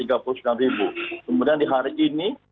kemudian di hari ini